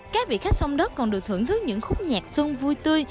các vị khách sông đất còn được thưởng thức những khúc nhạc xuân vui tươi